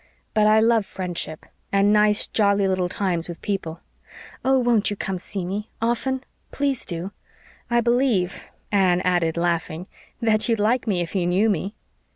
But I love friendship and nice, jolly little times with people. Oh, WON'T you come to see me often? Please do. I believe," Anne added, laughing, "that you'd like me if you knew me."